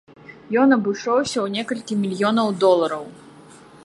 Ён абышоўся ў некалькі мільёнаў долараў.